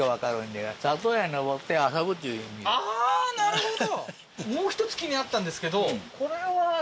ああーなるほど！